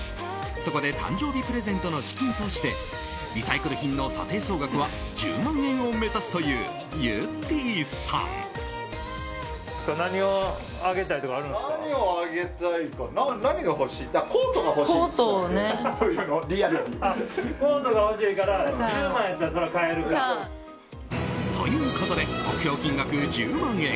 そこで誕生日プレゼントの資金としてリサイクル品の査定総額は１０万円を目指すというゆってぃさん。ということで目標金額１０万円。